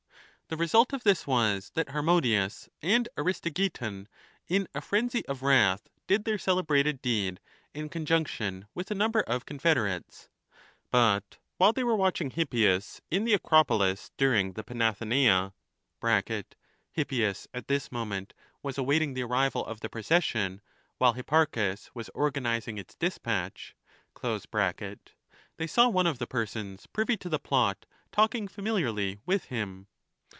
The result of this was that Harmodius and Aristogeiton, in a frenzy of wrath, did their celebrated deed, in conjunction with a number of confederates. 1 But while they were watching Hippias in the Acropolis during the Panathenaea (Hippias, at this moment, was awaiting the arrival of the procession, while Hipparchus was orga nizing its despatch) they saw one of the persons privy to the plot talking familiarly with him.